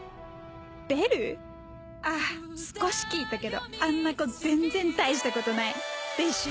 あぁ少し聴いたけどあんな子全然大したことない。でしょ？